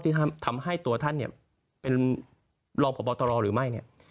ที่ทำให้ตัวท่านเป็นรองผ่อบอตรอหรือไม่